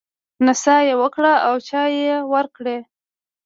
نڅا يې وکړه او چای يې ورکړ.